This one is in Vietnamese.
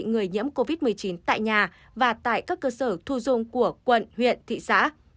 người nhiễm covid một mươi chín tại nhà và tại các cơ sở thu dung của quận huyện thị xã